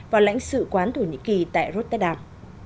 vào lãnh sự quán thổ nhĩ kỳ tại rotterdam